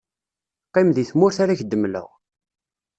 qqim di tmurt ara k-d-mmleɣ.